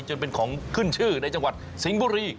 จนเป็นของขึ้นชื่อในจังหวัดสิงห์บุรี